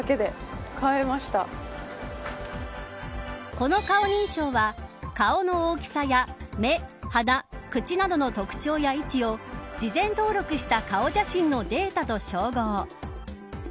この顔認証は、顔の大きさや目、鼻、口などの特徴や位置を事前登録した顔写真のデータと照合。